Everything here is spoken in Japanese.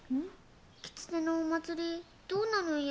きつねのお祭りどうなるんや？